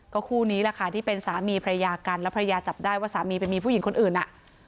คู่นี้แหละค่ะที่เป็นสามีภรรยากันแล้วภรรยาจับได้ว่าสามีไปมีผู้หญิงคนอื่นอ่ะ